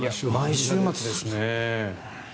毎週末ですね。